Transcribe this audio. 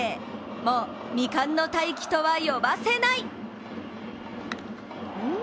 もう未完の大器とは呼ばせない！